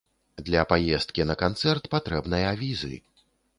Для паездкі на канцэрт патрэбная візы.